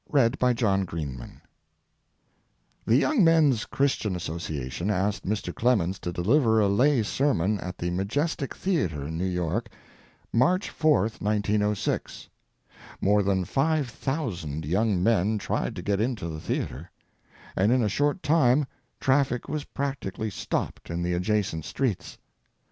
LAYMAN'S SERMON The Young Men's Christian Association asked Mr. Clemens to deliver a lay sermon at the Majestic Theatre, New York, March 4, 1906. More than five thousand young men tried to get into the theatre, and in a short time traffic was practically stopped in the adjacent streets.